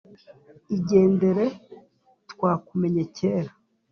igendere twakumenye kera »